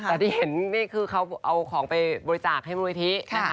แต่ที่เห็นนี่คือเขาเอาของไปบริจาคให้มูลนิธินะคะ